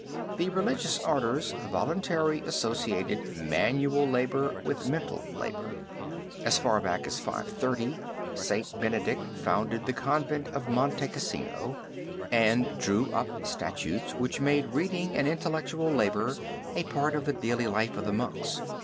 The religious orders voluntarily associated manual labor with mental labor. As far back as 530, St. Benedict founded the Convent of Monte Cassino, and drew up statutes which made reading and intellectual labor a part of the daily life of the monks."